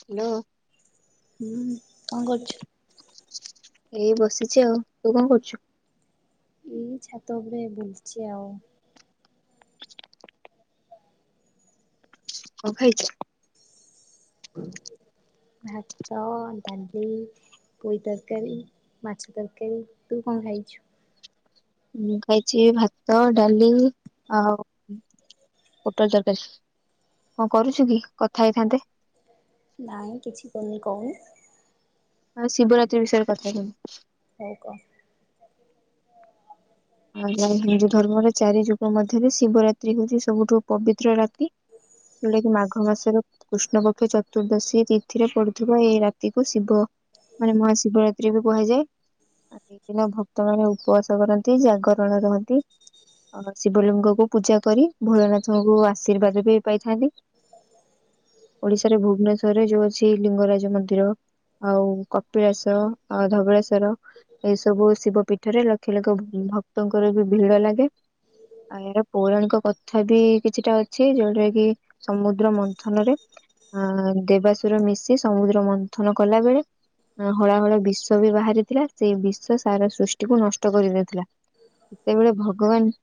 Hello. ହୁଁ କଣ କରୁଛୁ। ଏଇ ବସିଛି ଆଉ ତୁ କଣ କରୁଛୁ? ଏଇ ଛାତ ଉପରେ ବୁଲୁଚି ଆଉ। କଣ ଖାଇଚ ଭାତ ଡାଲି। ପୋଇ ତରକାରୀ, ମାଛ ତରକାରୀ ତୁ କଣ ଖାଇଛୁ? ମୁଁ ଖାଇଛି ଭାତ ଡାଲି ଆଉ। ପୋଟଲ ତରକାରୀ କଣ କରୁଛୁ କି କଥା ହେଇଥାନ୍ତେ। ନାଇଁ କିଛି କରୁନି କହୁନୁ। ହଁ ଶିବରାତ୍ରି ବିଷୟରେ କଥା ହେଇଥାନ୍ତି। ହଉ କ। ଆଜି ଆମ ହିନ୍ଦୁ ଧର୍ମରେ ଚାରି ଯୁଗ ମଧ୍ୟରେ ଶିବରାତ୍ରି ହଉଛି ସବୁଠୁ ପବିତ୍ର ରାତି। ଯେଉଟା କି ମାଘ ମାସରେ। କୃଷ୍ଣ ପକ୍ଷ ଚତୁର୍ଦ୍ଦଶୀ ତିଥିରେ ପଡୁଥିବା ଏଇ ରାତିକୁ ଶିବ ମାନେ ମହାଶିବରାତ୍ରି ବି କୁହାଯାଏ ଆଉ ସେଇଦିନ ଭକ୍ତମାନେ ଉପବାସ କରନ୍ତି। ଜାଗରଣ ରହନ୍ତି। ଅ ଶିବଲିଙ୍ଗକୁ ପୂଜା କରି ଭୋଳନାଥଙ୍କୁ ଆଶୀର୍ବାଦ ବି ପାଇଥାନ୍ତି। ଓଡିଶାରେ ଭୁବନେଶ୍ୱର ଯୋଉ ଅଛି ଲିଙ୍ଗରାଜ ମନ୍ଦିର। ଆଉ କପିଳାସ ଆଉ ଧବଳାଶର ଏଇସବୁ ଶିବ ପୀଠରେ ଲକ୍ଷ ଲକ୍ଷ ଭକ୍ତଙ୍କର ବି ଭିଡ ଲାଗେ। ଆଉ ଏୟାରା ପୌରାଣିକ କଥା ବି କିଛିଟା ଅଛି ଯୋଉଟା କି? ସମୁଦ୍ର ମନ୍ଥନରେ ଅ ଦେବାଶୁର ମିଶି ସମୁଦ୍ର ମନ୍ଥନ କଲାବେଳେ। ହଳାହଳା ବିଷ ବି ବାହାରିଥିଲା ସେଇ ବିଷ ସାର ସୃଷ୍ଟିକୁ ନଷ୍ଟ କରିଦେଇଥିଲା। ସେତେବେଳେ ଭଗବାନ।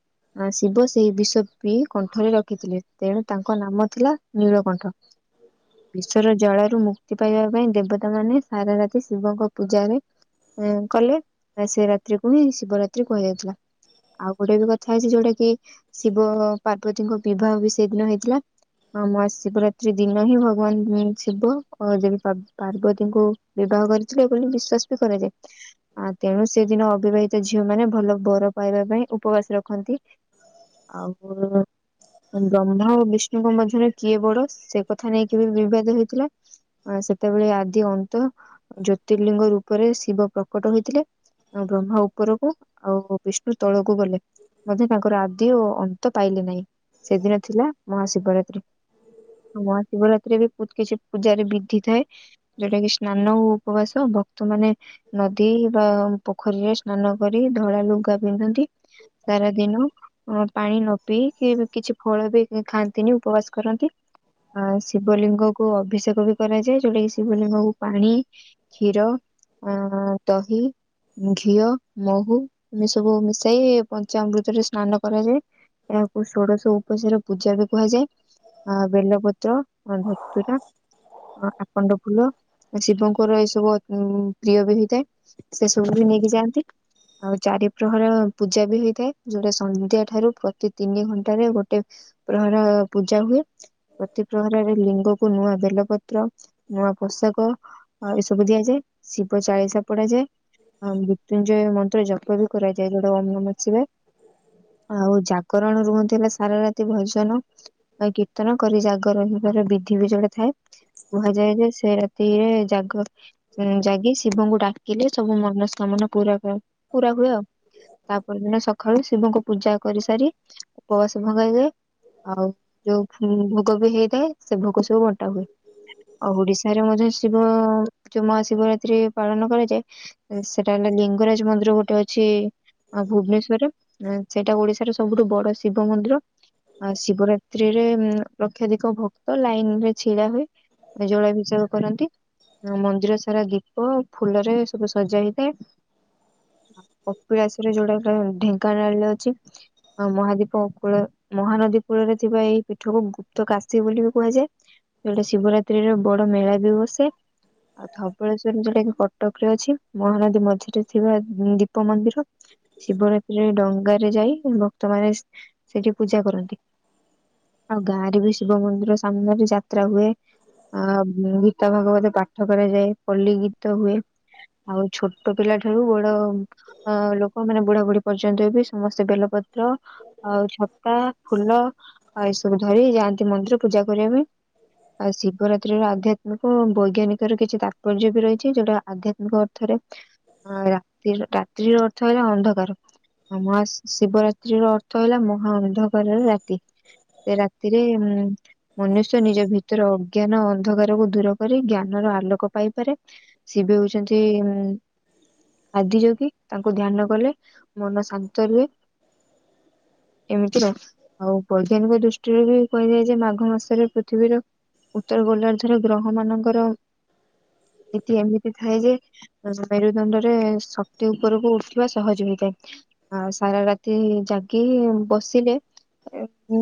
ଶିବ ସେହି ବିଷ ପି କଣ୍ଠରେ ରଖିଥିଲେ ତେଣୁ ତାଙ୍କ ନାମ ଥିଲା ନୀଳକଣ୍ଠ। [inaudible] ବିଶ୍ଵର ଜଳରୁ ମୁକ୍ତି ପାଇବା ପାଇଁ ଦେବତା ମାନେ ସାରା ରାତି ଶିବଙ୍କ ପୂଜାରେ। ଉ କଲେ ସେ ରାତ୍ରିକୁ ହିଁ ଶିବରାତ୍ରି କୁହାଯାଇଥିଲା। ଆଉ ଗୋଟେ ବି କଥା ହେଇଛି ଯୋଉଟା କି ଶିବ ପାର୍ବତୀଙ୍କ ବିବାହ ବି ସେଦିନ ହେଇଥିଲା। ହଁ ମହା ଶିବରାତ୍ରି ଦିନ ହିଁ ଭଗବାନ ଶିବ ଯଦି ପାର୍ବତୀଙ୍କୁ ବିବାହ କରିଥିଲେ ବୋଲି ବିଶ୍ଵାସ ବି କରାଯାଏ ଆ ତେଣୁ ସେଦିନ ଅବିବାହିତ ଝିଅମାନୋନ ଭଲ ବର ପାଇବା ପାଇଁ ଉପବାସ ରଖନ୍ତି, ଆଉ। ଗମ୍ଧା ଆ ବିଷ୍ଣୁଙ୍କ ମଧ୍ୟରେ କିଏ ବଡ ସେକଥା ନେଇକି ବି ବିବାଦ ହେଇଥିଲା। ଅ ସେତେବେଳେ ଆଦି ଅନ୍ତ ଜ୍ୟୋତିର୍ଲିଙ୍ଗ ରୂପରେ ଶିବ ପ୍ରକଟ ହୋଇଥିଲେ। ଆ ହଉ ଉପରକୁ ଆଉ ବିଷ୍ଣୁ ତଳକୁ ଗଲେ ମଧ୍ୟ ତାଙ୍କର ଆଦି ଓ ଅନ୍ତ ପାଇଲେ ନାହିଁ। ସେଦିନ ଥିଲା ମହାଶିବରାତ୍ରି। ମହାଶିବରାତ୍ରୀରେ ବହୁତ କିଛି ପୂଜାରେ ବିଦ୍ଧି ଥାଏ। ଯୋଉଟା କି ସ୍ନାନ ହଉ ଉପବାସ ବ ସେମାନେ ନଦୀ ବା ପୋଖରୀରେ ସ୍ନାନ କରି ଧଳା ଲୁଗା ପିନ୍ଧନ୍ତି। ସାରଦିନ। ପାଣି ନ ପିଇ କିଛି ଫଳ ବି ଖାଆନ୍ତିନି ଉପବାସ କରନ୍ତି। ଆ ଶିବଲିଙ୍ଗ କୁ ଅଭିଷେକ ବି କରାଯାଏ ଯଉଟା କି ଶିବଲିଙ୍ଗକୁ ପାଣି କ୍ଷୀର ଆଁ ଦହି, ଘିଅ। ମହୁ ଏ ସବୁ ମିଶାଇ ପଞ୍ଚାମୃତରେ ସ୍ନାନ କରାଯାଏ। ଏହାକୁ ଷୋଡଶ ଉପସାର ପୂଜା ବି କୁହାଯାଏ। ଆ ବେଲପତ ଅ ନୁତୁରା ଆଖଣ୍ଡ ଫୁଲ ଶିବଙ୍କର ଏସବୁ ଅ-ପ୍ରିୟ ବି ହେଇଥାଏ। ସେ ସବୁ ବି ନେଇକି ଯାଆନ୍ତି। ଆଉ ଚାରି ପ୍ରହର ପୂଜା ବି ହେଇଥାଏ। ଯୋଉଟା ସନ୍ଧ୍ୟା ଠାରୁ ପ୍ରତି ତିନି ଘଣ୍ଟାରେ ଗୋଟେ ପ୍ରହର ପୂଜା ହୁଏ। ପ୍ରତି ପ୍ରହରରେ ଲିଙ୍ଗକୁ ନୂଆ ବେଲପତ୍ର ନୂଆ ପୋଷକ ଆଉ ଏସବୁ ଦିଆଯାଏ। ଶିବ ଚାଳିଶା ପଡା ଯାଏ। ଅବୃ ଙ୍କି ଯୋଉ ମନ୍ତ୍ର ଜପ ବି କରାଯାଏ। ଯୋଉଟା ଓମ୍ ନମଃ ଶିବାୟ। ଆଉ ଜାଗରଣ ରୁହନ୍ତି ହେଲା ସାରା ରାତି ଭଜନ କୀର୍ତ୍ତନ କରି ଜାଗର ରହିବାର ବିଧି ବି ଯୋଉରା ଥାଏ। କୁହାଯାଏ ଯେ ସେ ତିରେ, ଜାଗ ଜାଗି ଶିବଙ୍କୁ ଡାକିଲେ ସବୁ ମନସ୍କାମନା ପୁର କ-ପୁରା ହୁଏ ଆଉ ତାପର ଦିନ ସକାଳୁ ଶିବଙ୍କୁ ପୂଜା କରିସାରି ଉପବାସ ଭଙ୍ଗା ହେଇଯାଏ। ଆଉ ଯୋଉ ଭୋଗ ବି ହେଇଥାଏ ସେ ଭୋଗ ସବୁ ବଣ୍ଟା ହୁଏ। ଆଉ ଓଡିଶାରେ ମଧ୍ୟ ଶିବ ଯୋଉ ମହା ଶିବରାତ୍ରି ପାଳନ କରାଯାଏ ସେ କାଇଁ କିନା ଲିଙ୍ଗରାଜ ମନ୍ଦିର ଗୋଟେ ଅଛି ଆ ଭୁବନେଶ୍ଵରରେ, ସେଇଟା ଓଡିଶାର ସବୁଠୁ ବଡ ଶିବ ମନ୍ଦିର। ଆ ଶିବରାତ୍ରିରେ ଲକ୍ଷାଧିକ ଭକ୍ତ ଲାଇନ୍ ରେ ଛିଡା ହୁଏ ଜଳାଭିଷେଳ କରନ୍ତି। ମନ୍ଦିର ସାରା ଦୀପ ଫୁଲରେ ସବୁ ସଜା ହେଇଥାଏ କପିଳାସରେ ଯୋଉଟା କା ଢେଙ୍କାନାଳରେ ଅଛି ଆ ମହାଦୀପକୁଳ ମହାନଦୀକୂଳରେ ଥିବା ଏଇ ପୀଠକୁ ଗୁପ୍ତ କାଶୀ ବୋଲି ବି କୁହାଯାଏ। ସେଇଟି ଶିବରାତ୍ରିର ବଡ ମେଳା ବି ବସେ। ଆଉ ଧବଳେସ୍ଵର ଯୋଉଟା କି କଟକ ରେ ଅଛି, ମହାନଦୀ ମଧ୍ୟ ସେଥିରେ ଥିବା ଦୀପ ମନ୍ଦିର ଶିବରାତ୍ରିରେ ଡଙ୍ଗାରେ ଯାଇ ଭକ୍ତମାନେ ସେଠି ପୂଜା କରନ୍ତି। ଆଉ ଗାଁ ରେ ବି ଶିବ ମନ୍ଦିର ସାମ୍ନାରେ ଯାତ୍ରା ହୁଏ। ଅ ଗୀତା ଭାଗବତ ପାଠ କରାଯାଏ, ପଲ୍ଲୀ ଗୀତ ହୁଏ। ଆଉ ଛୋଟ ଛୋଟ ପିଲା ଠାରୁ ବଡ ଅ ଲୋକ ମାନେ ବୁଢା ବୁଢ଼ୀ ପର୍ଯ୍ୟନ୍ତ ବି ସମସ୍ତେ ବେଲପତ୍ର ଆଉ ଛତା ଫୁଲ ଏ ସବୁ ଧରି ଯାଆନ୍ତି ମନ୍ଦିର ପୂଜା କରିବା ପାଇଁ। ଆଉ ଶିବରାତ୍ରିର ଆଧ୍ୟାତ୍ମିକ ବୈଜ୍ଞାନିକ ର କିଛି ତାତ୍ପର୍ଯ୍ୟ ବି ରହିଛି ଯୋଉଟା ଆଧ୍ୟାତ୍ମିକ ଥରେ ରା ରାତ୍ରିର ଅର୍ଥ ହେଲା ଅନ୍ଧକାର ଆ ମହାଶିବରାତ୍ରିର ଅର୍ଥ ହେଲା ମହା ଅନ୍ଧକାରାର ରାତି। ସେ ରାତିରେ ଉଁ ମନୁଷ୍ୟ ନିଜ ଭିତର ଅଜ୍ଞାନ ଅନ୍ଧକାରକୁ ଦୂର କରି ଜ୍ଞାନର ଆଲୋକ ପାଇପାରେ ସେ ବି ଦୋଉଛନ୍ତି ଉଁ ଆଦି ଯୋଗି ତାଙ୍କୁ ଧ୍ୟାନ କଲେ ମନ ଶାନ୍ତ ରୁହେ ଏମିତିରେ ଆଉ ବୈଜ୍ଞାନିକ ଦୃଷ୍ଟିରେ ବି କୁହାଯାଏ ଯେ ମାଘ ମାସରେ ପୃଥିବୀର ଉତ୍ତର ଗୋଲାର୍ଦ୍ଧର ଗ୍ରହ ମାନଙ୍କର ସେଠି ଏମିତି ଥାଏ ଯେ ମେରୁଦଣ୍ଡରେ ଶକ୍ତି ଉପରକୁ ଉଠିବା ସହଜ ହୋଇଥାଏ। ଆଉ ସାରା ରାତି ଜାଗି ବସିଲେ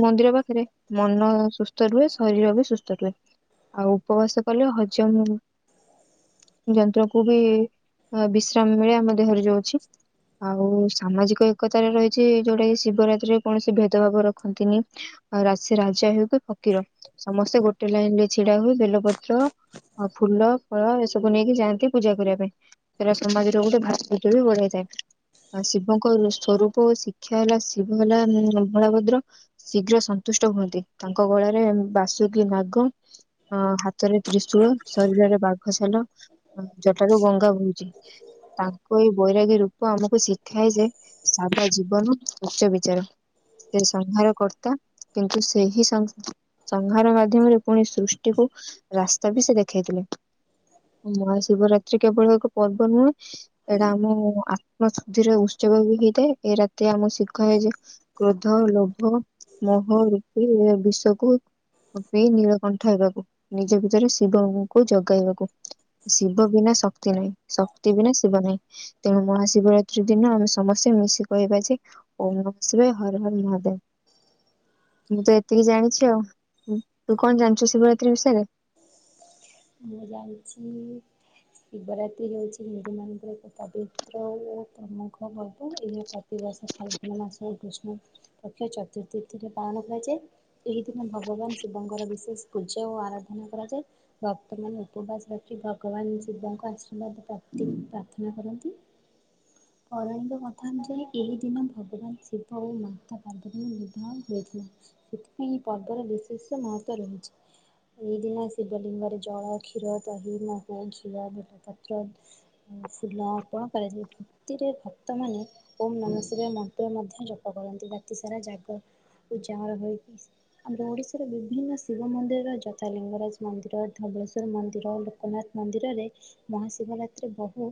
ମନ୍ଦିର ପାଖରେ ମନ ସୁସ୍ଥ ରୁହେ ଶରୀର ବି ସୁସ୍ଥ ରୁହେ। ଆଉ ଉପବାସ କଲେ ହଜମ ଯନ୍ତ୍ର କୁ ବି ଅ ବିଶ୍ରାମ ମିଳେ ଆମ ଦେହରେ ଯୋଉ ଅଛି। ଆଉ ସାମାଜିକ ଏକତାରେ ରହିଛି ଯେଉଁଟାକି ଶିବରାତ୍ରିରେ କୌଣସି ଭେଦଭାବ ରଖନ୍ତିନି। ଆଉ ରାଶି ରାଜା ହେଉ କି ଫକୀର, ସମସ୍ତେ ଗୋଟେ ଲାଇନ୍ ରେ ଛିଡା ହୋଇ ବେଲପତ୍ର ଆଉ ଫୁଲ ଫଳ ଏ ସବୁ ନେଇକି ଯାଆନ୍ତି ପୂଜା କରିବା ପାଇଁ। ସେଟା ସମାଜରେ ଗଟେ ଭାଶ୍କିଟେ ବି ବଢାଇ ଥାଏ। ଆ ଶିବଙ୍କ ସଵରୂପ ଓ ଶିକ୍ଷା ହେଲା ଶିବ ହେଲା ଭୋଳାଭଦ୍ର। ଶୀଘ୍ର ସନ୍ତୁଷ୍ଟ ହୁଅନ୍ତି ତାଙ୍କ ଗଳାରେ ବାସୁକୀ ନାଗ ଅ ହାତରେ ତ୍ରିଶୂଳ ଶରୀରରେ ବାଘଛାଲ ଜଟାରୁ ଗଙ୍ଗା ବ ତାଙ୍କ ଏଇ ବୈରାଗୀରୁ କୁ ଆମକୁ ଶିଖାଏ ଯେ ସାରା ଜୀବନ ଉଚ୍ଚ ବିଚାର। ସେସଂହାର କର୍ତ୍ତା କିନ୍ତୁ ସେହି ସ ସଂହାର ମାଧ୍ୟମରେ ପୁଣି ସୃଷ୍ଟିକୁ ରାସ୍ତା ବି ସେ ଦେଖେଇଥିଲେ। ମହା ଶିବରାତ୍ରି କେବଳ ଏକ ପର୍ବ ନୁହେଁ ଏଇଟା ଆମ ଆତ୍ମ ଶୁଦ୍ଧିର ଉତ୍ସବ ବି ହେଇଥାଏ ଏଇ ରାତି ଆମ ଶୀଖାଏଯେ କ୍ରୋଧ ଲୋଭ ମହ ରୂପି ବିଷକୁ କପି ନୀଳକଣ୍ଠ ହେବାକୁ ନିଜ ଭିତରେ ଶିବଙ୍କୁ ଜଗାଇବାକୁ। ଶିବ ବିନା ଶକ୍ତି ନାହିଁ ଶକ୍ତି ବିନା ଶିବ ନାହିଁ। ତେଣୁ ମହାଶିବରାତ୍ରୀ ଦିନ ଆମେ ସମସ୍ତେ ମିଶି କହିବା ଯେ ଓମ୍ ନମଃ ଶିବାୟ ହର ହର ମହାଦେବ। ମୁଁ ତ ଏତିକି ଜାଣିଚି ଆଉ ତୁ କଣ ଜାଣିଚୁ ଶିବରାତ୍ରି ବିଷୟରେ? ମୁଁ ଜାଣିଛି। ଶିବରାତ୍ରି ହେଉଚି ହିନ୍ଦୁ ମାନଙ୍କର ଏକ ପବିତ୍ର ଓ ପ୍ରମୁଖ ପର୍ବ ଏହା ପ ଦିବସ ଫାଲୁଗୁନା ମାସ କୃଷ୍ଣ ପକ୍ଷ ଚତୁର୍ଥୀ ତିଥୀରେ ପାଳନ କରାଯାଏ। ଏହି ଦିନ ଭଗବାନ ଶିବଙ୍କର ବିଶେଷ ପୂଜା ଓ ଆରାଧନା କରାଯାଏ। ଭକ୍ତମାନେ ଉପବାସ ରଖି ଭଗବାନ ଶିବଙ୍କ ଆଶୀର୍ବାଦ ପ୍ରାପ୍ତି ପ୍ରାର୍ଥନା କରନ୍ତି। [inaudible] ପୌରାଣିକ କଥା ଅନୁଯାୟୀ ଏହି ଦିନ ଭଗବାନ ଶିବ ଓ ମାତା ପାର୍ବତୀଙ୍କ ବିବାହ ହୋଇଥିଲା। ସେଥିପାଇଁ ଏ ପର୍ବର ବିଶେଷ ମହତ୍ଵ ରହୁଚି। ଏହିଦିନ ଶିବଲିଙ୍ଗରେ ଜଳ କ୍ଷୀର ଦହି ମହୁ ଘିଅ ବେଲପତ୍ର ଉ ଫୁଲ ଅର୍ପଣ କରାଯାଏ ଭକ୍ତିରେ ଭକ୍ତମାନେ ଓମ୍ ନମଃ ଶିବାୟ ମନ୍ତ୍ର ମଧ୍ୟ ଜପ କରନ୍ତି ରାତିସାରା ଜାଗ ଉଜାଗର ହୋଇକି ଆମର ଓଡ଼ିଶାର ବିଭିନ୍ନ ଶିବ ମନ୍ଦିରର ଜ ଥା ଲିଙ୍ଗରାଜ ମନ୍ଦିର ଧବଳେଶ୍ୱର ମନ୍ଦିର ଲୋକନାଥ ମନ୍ଦିରରେ ମହାଶିବରାତ୍ରି ବହୁ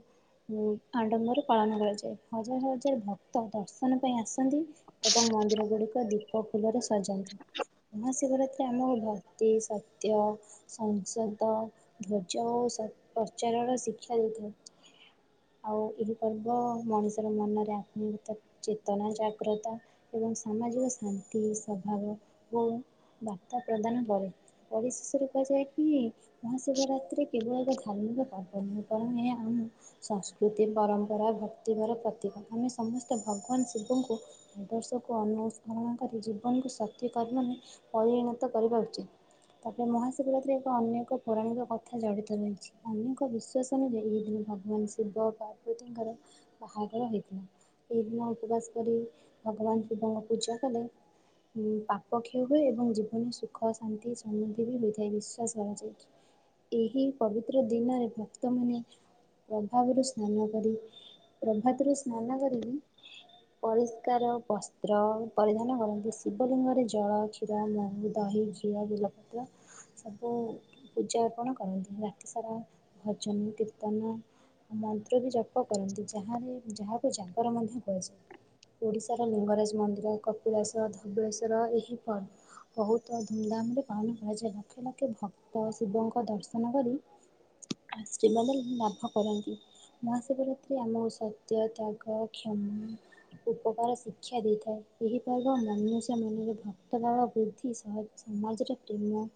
ଉ ଆଡ଼ମ୍ବରେ ପାଳନ କରାଯାଏ ହଜାର ହଜାର ଭକ୍ତ ଦର୍ଶନ ପାଇଁ ଆସି ଆନ୍ତି ଏବଂ ମନ୍ଦିର ଗୁଡ଼ିକ ଦୀପ ଫୁଲରେ ସଜାନ୍ତି ଏହା ସି ଶିବରାତ୍ର ଆମକୁ ଭକ୍ତି ସତ୍ୟ ସଂସଦ ଧର୍ଯ୍ୟ ଓ ସ ପ୍ରଚାରଣ ଶିକ୍ଷା ଦେଇଥାଏ। ଆଉ ଏହି ପର୍ବ ମଣିଷର ମନରେ ଆତ୍ମୀୟତ ଚେତନା ଜାଗ୍ରତ ଏବଂ ସାମାଜିକ ଶାନ୍ତି ସ୍ୱଭାବ ଓ ବାର୍ତ୍ତା ପ୍ରଦାନ କରେ। ପରିଶେଷରେ କୁହାଯାଏ କି ମହାଶିବରାତ୍ରି କେବଳ ଏକ ଧାର୍ମିକ ପାପ ନୁହେଁ ପରମ ଏହା ଆଉ ସଂସ୍କୃତି ପରମ୍ପରା ଭକ୍ତିଭର ପ୍ରତିଭା ଆମେ ସମସ୍ତେ ଭଗବାନ୍ ଶିବଙ୍କୁ ଆଦର୍ଶକୁ ଅନୁସରଣ କରି ଜୀବନକୁ ସକ୍ତିକରି ମାନେ ପରିଣତ କରିବା ଉଚିତ୍। ତାପରେ ମହାଶିବରାତ୍ରୀ ଏକ ଅନେକ ପୌରାଣିକ ପଥା ଜଡ଼ିତ ରହିଚି। ଅନେକ ବିଶ୍ଵାସ ଅନୁଯାୟୀ ଏହି ଦିନ ଭଗବାନ୍ ଶିବ ପାର୍ବତୀଙ୍କର ବାହାଘର ହୋଇଥିଲା ସେଇଦିନ ଉପବାସ କରି ଭଗବାନ୍ ଶିବଙ୍କୁ ପୂଜା କଲେ ଉ ପାପ କୟ ହୁଏ ଏବଂ ଜୀବନ ସୁଖ ଆସେ ଶାନ୍ତି ସମୃଦ୍ଧି ବି ବୃଧାଇ ବିଶ୍ୱାସ କରାଯାଇଛି। ଏହି ପବିତ୍ର ଦିନରେ ଭକ୍ତମାନେ ପ୍ରଭାବରୁ ସ୍ନାନ କରି ପ୍ରଭାତରୁ ସ୍ନାନ କରିକି ପରିଷ୍କାର ବସ୍ତ୍ର ପରିଧାନ କରନ୍ତି ଶିବଲିଙ୍ଗରେ ଜଳ, କ୍ଷୀର, ମହୁ, ଦହି, କ୍ଷୀର ବେଲପତ୍ର ସବୁ ପୂଜା ଅର୍ପଣ କରନ୍ତି ରାତିସାରା ଭଜନ କୀର୍ତ୍ତନ ଆ ମନ୍ତ୍ର ବି ଜପ କରନ୍ତି ଯାହାରେ ଯାହାକୁ ଜାଗର ମଧ୍ୟ କୁହାଯାଏ। ଓଡ଼ିଶାର ଲିଙ୍ଗରାଜ ମନ୍ଦିର କପିଳାସ ଧବଳେଶ୍ୱର ଏହି ପ ବହୁତ। ଧୁମଧାମରେ ପାଳନ କରାଯାଏ ଲକ୍ଷ ଲକ୍ଷ ଭକ୍ତ ଶିବଙ୍କ ଦର୍ଶନ କରି। ଆଶୀର୍ବାଦ ଲାଭ କରନ୍ତି। ମହାଶିବ ରାତ୍ରି ଆମକୁ ସତ୍ୟ ତ୍ୟାଗ କ୍ଷମା। ଉପକାର ଶିକ୍ଷା ଦେଇଥାଏ ଏହି ପର୍ବ ମନୁଷ୍ୟ ମନରେ ଭକ୍ତଭାବ ବୃଦ୍ଧି ସହ। ସମାଜରେ ପ୍ରେମ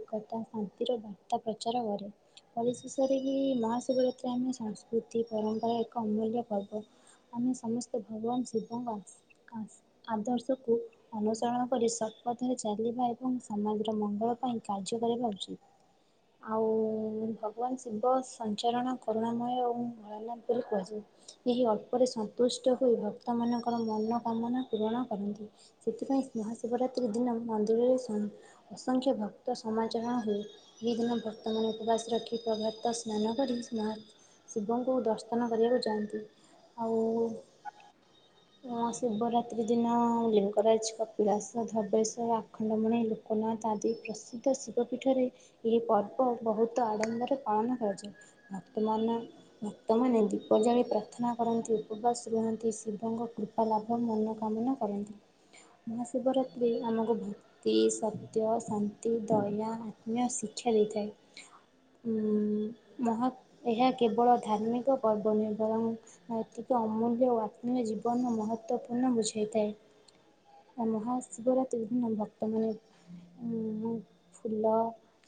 ଏକତା ଶାନ୍ତିର ବାର୍ତ୍ତା ପ୍ରଚାର କରେ। ପରିଶେଷରେ ବି ମହାଶିବ ରାତ୍ରୀ ଆମ ସଂସ୍କୃତି ପରମ୍ପରା ଏକ ଅମୂଲ୍ୟ ପର୍ବ। ଆମେ ସମସ୍ତେ ଭଗବାନ ଶିବଙ୍କ ଆସି ଆସି ଆଦର୍ଶକୁ ଅନୁସରଣ କରି ଶପଥରେ ଚାଲିବା। ଏବଂ ସମାଜର ମଙ୍ଗଳ ପାଇଁ କାର୍ଯ୍ୟ କରିବା ଉଚିତ। ଆଉ ଭଗବାନ ଶିବ ସଞ୍ଚରଣ କରୁଣାମୟ ଓ ଭୋଳାନଥ ବୋଲି କୁହାଯାଏ। ଏହି ଅଳ୍ପରେ ସନ୍ତୁଷ୍ଟ ହୋଇ ଭକ୍ତ ମାନଙ୍କର ମନ କାମନା ପୂରଣ କରନ୍ତି। ସେଥିପାଇଁ ମହାଶିବ ରାତ୍ରୀ ଦିନ ମନ୍ଦିରରେ ସଂ ଅସଂଖ୍ୟ ଭକ୍ତ ସମାଚରନା ହୁଏ। ଏହି ଦିନ ଭକ୍ତମାନେ ଉପବାସ ରଖି ପ୍ରଭାତ ରୁ ସ୍ନାନ କରି ସ ଶିବଙ୍କୁ ଦର୍ଶନ କରିବାକୁ ଯାଆନ୍ତି ଆଉ। ଉଁଆ ଶିବରାତ୍ରି ଦିନ ଲିଙ୍ଗରାଜ, କପିଳାସ, ଧବଳେସ୍ୱର, ଆଖଣ୍ଡ ଳ ମଣି ଲୋକନାଥ ଆଦି ପ୍ରସିଦ୍ଧ ଶିବପୀଠରେ। ଏହି ପର୍ବ ବହୁତ ଆଡମ୍ବରେ ପାଳନ କରାଯାଏ ବର୍ତମାନ। ଭକ୍ତମାନେ ଦୀପ ଜାଳି ପ୍ରାର୍ଥନା କରନ୍ତି ଉପବାସ ରୁହନ୍ତି ଶିବଙ୍କ କୃ ପା ଲାଭ ମନୋ କାମନା କରନ୍ତି, ମହାଶିବରାତ୍ରୀ ଆମକୁ ଭ କ୍ତି ସତ୍ୟ ଶାନ୍ତି ଦୟା ଆତ୍ମୀୟ ଶିକ୍ଷା ଦେଇଥାଏ। ଉଁ ମହା ଏହା କେବଳ ଧାର୍ମିକ ପର୍ବ ନୁଏ ବରଂ। ନୈତିକ ଅମୂଲ୍ୟ ଓ ଆତ୍ମୀୟ ଜୀବନ ମହତ୍ତ୍ଵପୂର୍ଣ୍ଣ ବୁଝେଇଥାଏ। ମହା ଶିବରାତ୍ରି ବିଭିନ୍ନ ଭକ୍ତ ମାନେ ଉଁ ଫୂଲ।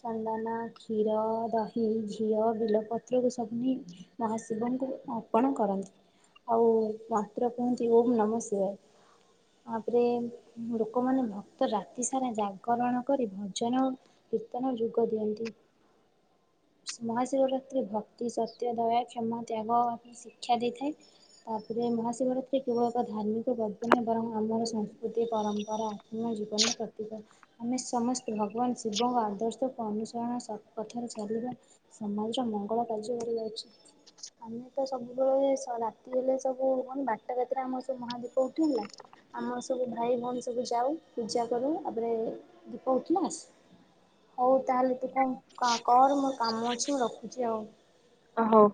ଚନ୍ଦନ, କ୍ଷୀର, ଦହି, ଘିଅ, ବେଲ ପତ୍ରରେ ସବୁ ନେଇ। ମହା ଶିବଙ୍କୁ ଅର୍ପଣ କରନ୍ତି। ଆଉ ମାତ୍ର କୁହନ୍ତି ଓମ୍ ନମ ଶିବାୟ। ତାପରେ ଲୋକମାନେ ଭକ୍ତ ରା ତି ସାରା ଜାଗରଣ କରି ଭଜନ ଓ କୀର୍ତ୍ତନ ଯୋଗ ଦିଅନ୍ତି। ମହାଶିବରାତ୍ରି ଭକ୍ତି, ସତ୍ୟ, ଦୟା, କ୍ଷମା, ତ୍ୟାଗ। ଶିକ୍ଷା ଦେଇଥାଏ ତା ପରେ ମହା ଶିବରାତ୍ରି କେବଳ ଏକ ଧାର୍ମି ସେ ଗଳ୍ପନ୍ୟ ବରଂ ଆମର ସଂସ୍କୃତି ପରମ୍ପରା ଆତ୍ମ ଜୀବନରେ ପ୍ରତି କ ଆମେ ସମସ୍ତେ ଭଗବାନ ଶିବଙ୍କ ଆଦର୍ଶ ତଥା ଅନୁସରଣ ସତ୍ ପଥରେ ଚାଲିବା। ସମାଜର ମଙ୍ଗଳ କାର୍ଯ୍ୟ କରି ଅଛି‌। ଆମେ ତ ସବୁବେଳେ ସ ରାତି ହେଲେ ସବୁ କଣ ବାରଟା ରାତିରେ ଆମର ସ ମହାଦୀପ ଉଠୁନିନା। ଆମର ସବୁ ଭାଇ ଭଉଣୀ ସବୁ ଯାଉ ପୂଜା କରୁ ତାପରେ ଦୀପ ଉଠିଲେ ଆସୁ। ହଉ ତାହେଲେ ତୁ କଣ କ କର ମୋର କାମ ଅଛି ମୁଁ ରଖୁଛି ଆଉ। ହଉ।